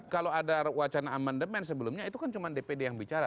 kalau ada wacana amandemen sebelumnya itu kan cuma dpd yang bicara